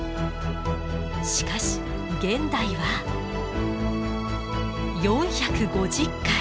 しかし現代は４５０回。